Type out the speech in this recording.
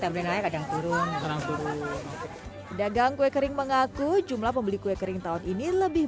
ada naik kadang kadang turun dagang kue kering mengaku jumlah pembeli kue kering tahun ini lebih